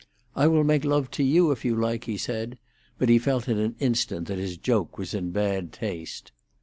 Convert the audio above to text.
"I will make love to you, if you like," he said, but he felt in an instant that his joke was in bad taste.